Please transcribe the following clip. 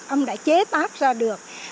ông đã chế tác ra được